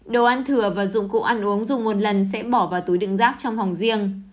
đồ ăn thừa và dụng cụ ăn uống dùng một lần sẽ bỏ vào túi đựng rác trong phòng riêng